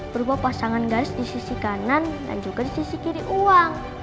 berupa pasangan garis di sisi kanan dan juga di sisi kiri uang